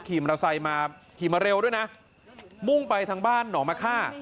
ขี่มอเวอร์ไซน์มาขี่มาเร็วด้วยนะมุ่งไปทั้งบ้านหน่อมาฆ่า